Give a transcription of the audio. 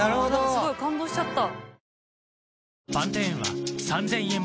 すごい感動しちゃった。